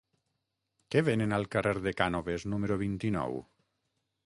Què venen al carrer de Cànoves número vint-i-nou?